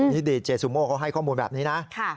นี่ดีเจซูโม่เขาให้ข้อมูลแบบนี้นะ